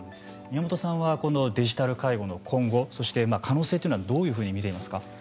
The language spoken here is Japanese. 宮本さんはこのデジタル介護の今後そして可能性っていうのはどういうふうに見ていますか？